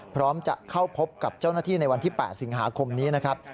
พร้อมจะเข้าพบกับเจ้าหน้าที่ในวันที่๘สิงหาคมนี้นะครับ